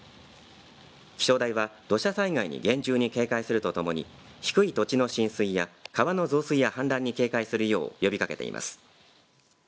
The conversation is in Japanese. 気象台は土砂災害に厳重に警戒するとともに低い土地の浸水や川の増水や氾濫に警戒するよう呼びかけています。